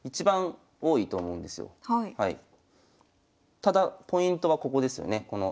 ただポイントはここですよね。